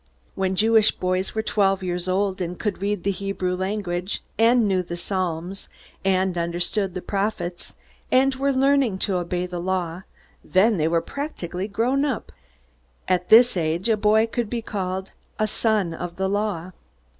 When Jewish boys were twelve years old, and could read the Hebrew language, and knew the psalms, and understood the prophets, and were learning to obey the Law then they were practically grown up. At this age a boy could be called "a son of the Law."